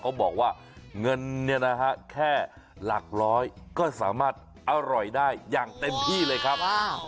เขาบอกว่าเงินเนี่ยนะฮะแค่หลักร้อยก็สามารถอร่อยได้อย่างเต็มที่เลยครับ